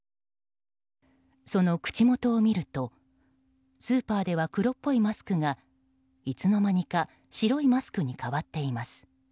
その口元を見るとスーパーでは黒っぽいマスクがいつの間にか白いマスクに代わっています。